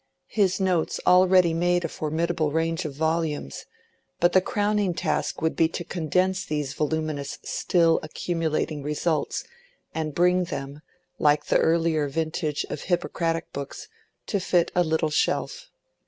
His notes already made a formidable range of volumes, but the crowning task would be to condense these voluminous still accumulating results and bring them, like the earlier vintage of Hippocratic books, to fit a little shelf.